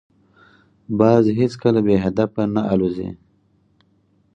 باز هیڅکله بې هدفه نه الوزي